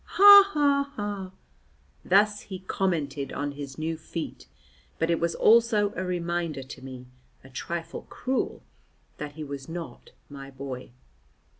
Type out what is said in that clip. "Haw haw haw!" Thus he commented on his new feat, but it was also a reminder to me, a trifle cruel, that he was not my boy.